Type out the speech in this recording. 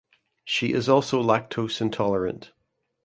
She is also lactose intolerant.